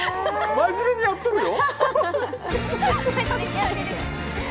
真面目にやってるよ。